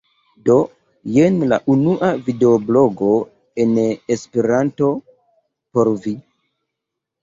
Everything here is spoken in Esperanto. Do, jen la unua videoblogo en Esperanto. Por vi.